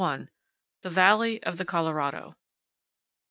THE VALLEY OF THE COLORADO.